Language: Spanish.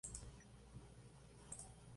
Actualmente vive en el oeste de Massachusetts.